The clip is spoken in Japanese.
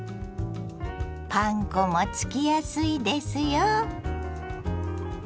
パン粉もつきやすいですよ。